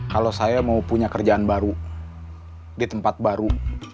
kalau saya mau punya kerjaan baru di tempat baru